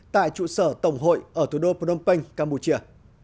tại trụ sở tổng hội ở thủ đô phnom penh campuchia